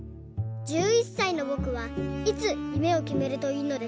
１１さいのぼくはいつゆめをきめるといいのですか？」。